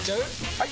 ・はい！